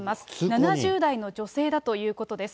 ７０代の女性だということです。